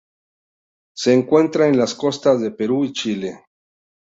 Se encuentra en las costas de Perú y Chile.